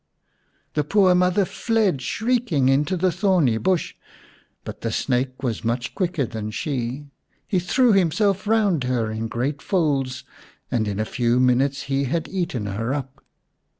" The poor mother fled shrieking into the thorny bush, but the snake was much quicker than she. He threw himself round her in great folds, and in a few minutes he had eaten her up.